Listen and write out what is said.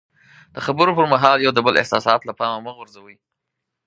د خبرو پر مهال د یو بل احساسات له پامه مه غورځوئ.